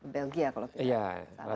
belgia kalau tidak salah